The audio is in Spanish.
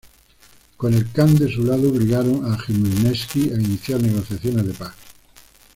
Con el khan de su lado, obligaron a Jmelnitski a iniciar negociaciones de paz.